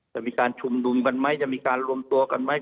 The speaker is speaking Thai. จะมีการชุมนุมกันไหมจะมีการรวมตัวกันไหม